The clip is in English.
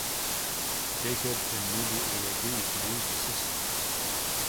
Jacob immediately agreed to use the system.